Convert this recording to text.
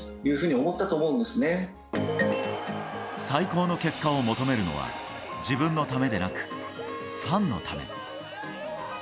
最高の結果を求めるのは自分のためでなくファンのため。